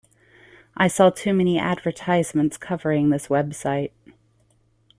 I saw too many advertisements covering this website.